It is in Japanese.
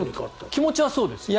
気持ちはそうですよ。